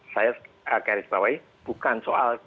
saya garis bawahi bukan soal